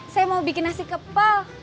saya mau bikin nasi kepal